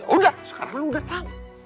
ya udah sekarang lo udah tau